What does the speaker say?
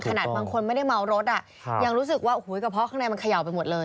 ขนาดบางคนไม่ได้เมารถอ่ะยังรู้สึกว่าโอ้โหกระเพาะข้างในมันเขย่าไปหมดเลย